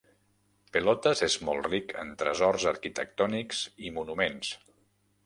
Pelotas és molt ric en tresors arquitectònics i monuments.